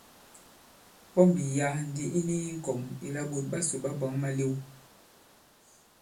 Pɔmbì ya᷅ ndī i ni i ŋkɔ̀ŋ ìlà ɓòt ɓasò ɓa bwǎŋ malew.